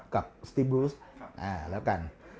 กับสติบรุสแล้วกัน